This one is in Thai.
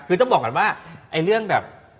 คือต้องบอกก่อนว่าไอ้เรื่องแบบ